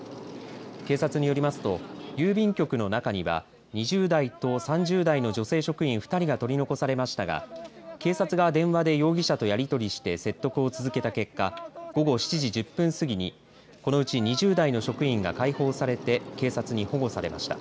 警察によりますと郵便局の中には２０代と３０代の女性職員２人が取り残されましたが警察が電話で容疑者とやり取りして説得を続けた結果午後７時１０分過ぎにこのうち２０代の職員が解放されて警察に保護されました。